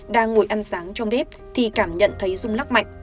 đang ngồi ăn sáng trong bếp thì cảm nhận thấy rung lắc mạnh